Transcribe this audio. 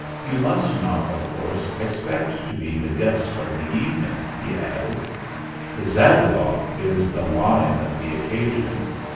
"You must not, of course, expect to be the Guest of the Evening," he added. "The Zagabog is the Lion of the occasion.